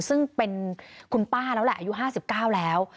ซึ่งเป็นคุณป้าแล้วแหละอายุ๕๙แล้ว